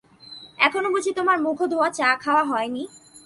এখনো বুঝি তোমার মুখধোওয়া চা-খাওয়া হয় নাই?